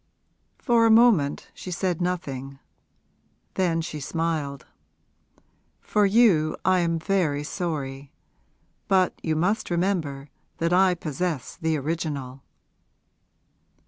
For a moment she said nothing; then she smiled. 'For you, I am very sorry. But you must remember that I possess the original!'